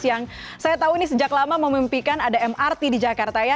yang saya tahu ini sejak lama memimpikan ada mrt di jakarta ya